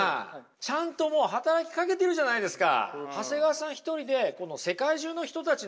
ちゃんともう働きかけてるじゃないですか！